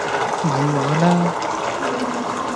咪玩啦